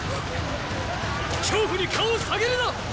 恐怖に顔を下げるな！